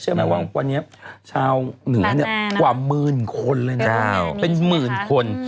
เชื่อมั้ยว่าวันนี้ชาวเหนือกว่ามืนคนเลยนะเป็นหมื่นคน